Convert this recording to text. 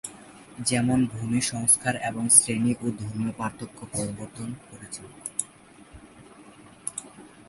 যেমন ভূমি সংস্কার এবং শ্রেণি ও ধর্মীয় পার্থক্য প্রবর্তন করেছিল।